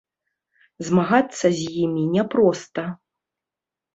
Змагацца з імі няпроста.